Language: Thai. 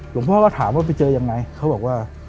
หลวงพ่อก็ถามว่าไปเจอยังไงเขาบอกว่า